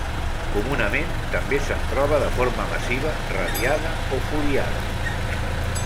Comunament també se'n troba de forma massiva, radiada o foliada.